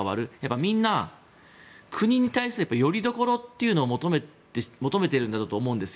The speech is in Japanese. みんな国に対するよりどころを求めているんだと思うんですよ。